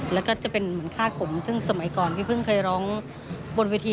แล้วก็จะเป็นเหมือนคาดผมซึ่งสมัยก่อนพี่เพิ่งเคยร้องบนเวที